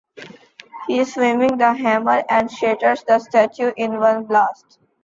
He swings the hammer and shatters the statue in one blast.